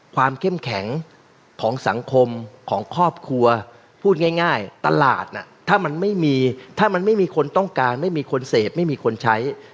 ความเข้มแข็งของสังคมของครอบครัวพูดง่ายตลาดถ้ามันไม่มีถ้ามันไม่มีคนต้องการไม่มีคนเสพไม่มีคนใช้